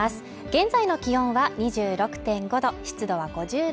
現在の気温は２６．５度湿度は５６％